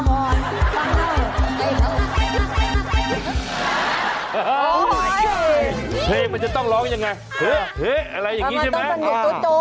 เฮ้อะไรอย่างนี้ใช่ไหมอ้าวตามในสไตล์ในเพลงลูกทุ่งหลับของมันต้องเป็นอยู่โต๊ะ